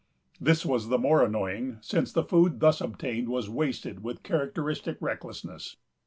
This was the more annoying, since the food thus obtained was wasted with characteristic recklessness.